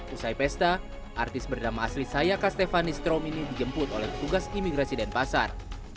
usai pesta artis berdama asli sayaka stephanie strom ini dijemput oleh petugas imigrasi dan pasar